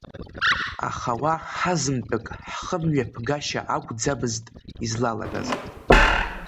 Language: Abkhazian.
Аха уа ҳазынтәык ҳхымҩаԥгашьа акәӡамызт излалагаз.